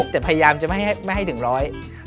แต่พยายามจะไม่ให้ถึง๑๐๐บาท